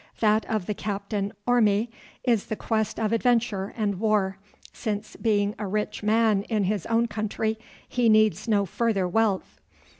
That of the Captain Orme is the quest of adventure and war, since being a rich man in his own country he needs no further wealth.